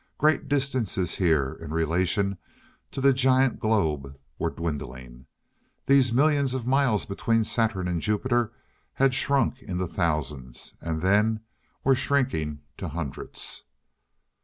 Great distances here, in relation to the giant globe, were dwindling! These millions of miles between Saturn and Jupiter had shrunk into thousands. And then were shrinking to hundreds.